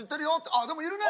あっでもいるね！